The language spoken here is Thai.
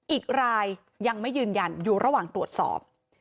อีกรายยังไม่ยืนยันอยู่ระหว่างตรวจสอบ